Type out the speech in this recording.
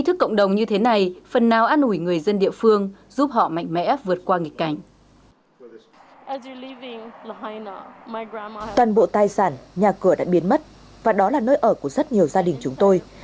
toàn bộ tài sản nhà cửa đã biến mất và đó là nơi ở của rất nhiều gia đình chúng tôi